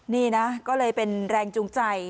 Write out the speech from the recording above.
นี่นะก็เลยเป็นแรงจูงใจ